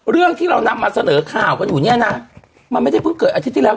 เรื่องที่เรานำมาเสนอข่าวกันอยู่เนี่ยนะมันไม่ได้เพิ่งเกิดอาทิตย์ที่แล้ว